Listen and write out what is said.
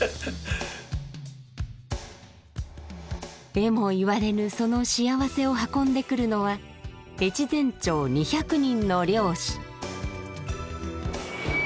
えもいわれぬそのしあわせを運んでくるのは越前町２００人の漁師。